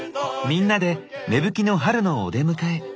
みんなで芽吹きの春のお出迎え。